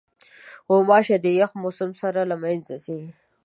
غوماشې د یخ موسم سره له منځه ځي.